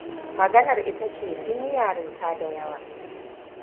Maganar ita ce sun yi yarinta da yawa.